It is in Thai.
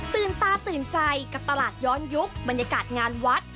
ตาตื่นใจกับตลาดย้อนยุคบรรยากาศงานวัด